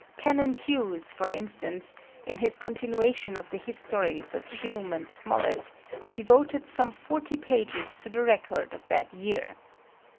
Canon Hughes, for instance, in his continuation of the histories of Hume and Smollett, devoted some forty pages to the record of that year.